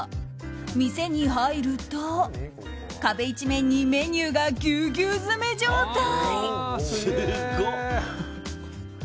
店に入ると壁一面にメニューがぎゅうぎゅう詰め状態。